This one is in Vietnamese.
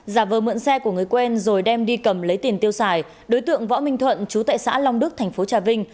giả vờ mượn xe của người quen rồi đem đi cầm lấy tiền tiêu xài đối tượng võ minh thuận chú tại xã long đức thành phố trà vinh